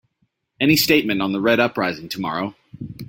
Any statement on the Red uprising tomorrow?